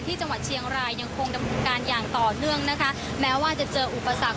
ที่จังหวัดเชียงรายยังคงดำเนินการอย่างต่อเนื่องนะคะแม้ว่าจะเจออุปสรรค